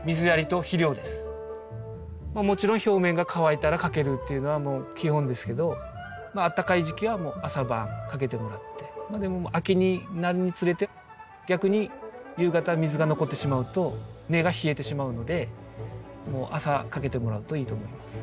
もちろん表面が乾いたらかけるっていうのは基本ですけどあったかい時期は朝晩かけてもらってでも秋になるにつれて逆に夕方水が残ってしまうと根が冷えてしまうのでもう朝かけてもらうといいと思います。